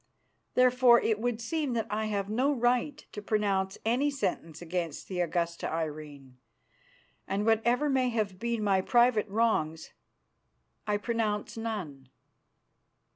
Therefore it would seem that I have no right to pronounce any sentence against the Augusta Irene, and whatever may have been my private wrongs, I pronounce none.